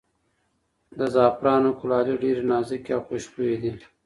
د زعفرانو کلالې ډېرې نازکې او خوشبویه دي.